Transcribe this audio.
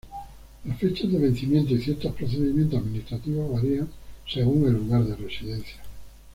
Las fechas de vencimiento y ciertos procedimientos administrativos varían según el lugar de residencia.